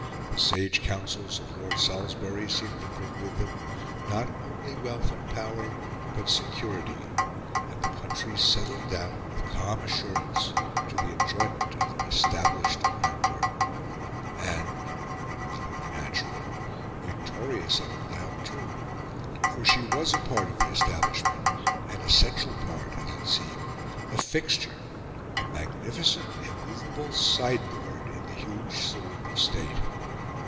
The sage counsels of Lord Salisbury seemed to bring with them not only wealth and power, but security; and the country settled down, with calm assurance, to the enjoyment of an established grandeur. And it was only natural Victoria settled down too. For she was a part of the establishment an essential part as it seemed a fixture a magnificent, immovable sideboard in the huge saloon of state.